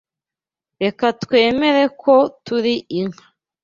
Reka twemere ko turi inka